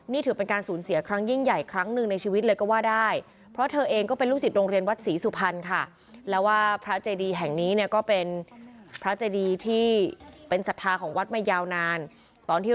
นี่ถือเป็นการสูญเสียครั้งยิ่งใหญ่ครั้งหนึ่งในชีวิตเลยก็ว่าได้